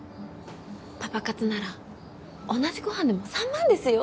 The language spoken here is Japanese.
パパ活なら同じご飯でも３万ですよ